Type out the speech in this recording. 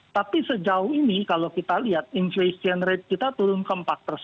tapi sejauh ini kalau kita lihat inflation rate kita turun ke empat